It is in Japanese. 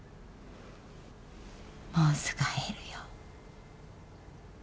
もうすぐ会えるよ。